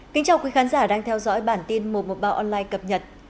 xin chào quý khán giả đang theo dõi bản tin một trăm một mươi ba online cập nhật